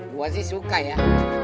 gue sih suka ya